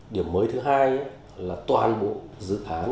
điểm mới thứ hai là toàn bộ dự án